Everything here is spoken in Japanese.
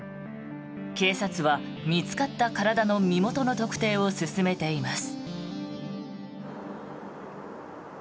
警察は、見つかった体の身元の特定を進めています。